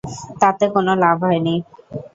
তাতে কোনো লাভ হয়নি।